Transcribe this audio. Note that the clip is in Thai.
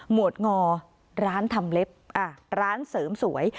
วดงอร้านทำเล็บร้านเสริมสวย